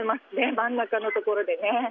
真ん中のところで。